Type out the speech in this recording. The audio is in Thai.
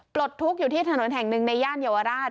ปลดทุกข์อยู่ที่ถนนแห่งหนึ่งในย่านเยาวราช